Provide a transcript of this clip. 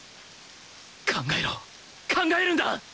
考えろ！考えるんだ！